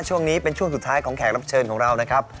ช่วงนี้เป็นช่วงสุดท้ายของแขกรับเชิญของเรานะครับ